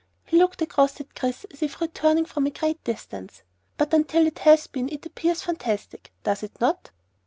He looked across at Chris as if returning from a great distance. "But until it has been it appears fantastic, does it not?"